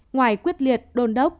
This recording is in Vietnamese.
ngoài quyết liệt đôn đốc